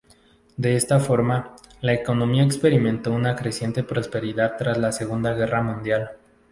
De esta forma, la economía experimentó una creciente prosperidad tras la Segunda Guerra Mundial.